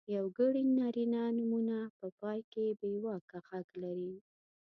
یوګړي نرينه نومونه په پای کې بېواکه غږ لري.